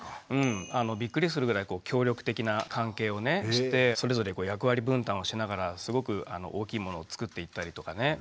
びっくりするぐらい協力的な関係をしてそれぞれ役割分担をしながらすごく大きいものを作っていったりとかね。